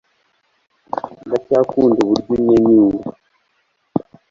ndacyakunda uburyo unyenyura